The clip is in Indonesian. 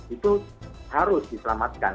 itu harus diselamatkan